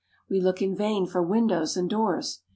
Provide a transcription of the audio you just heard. We look in vain for windows and doors.